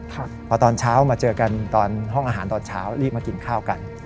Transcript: พอตอนเช้ามาเจอกันตอนห้องอาหารตอนเช้ารีบมากินข้าวกัน